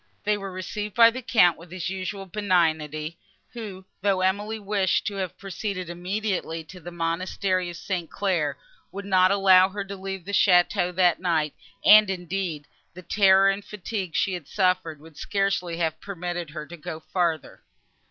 They were received by the Count with his usual benignity, who, though Emily wished to have proceeded immediately to the monastery of St. Claire, would not allow her to leave the château, that night; and, indeed, the terror and fatigue she had suffered would scarcely have permitted her to go farther.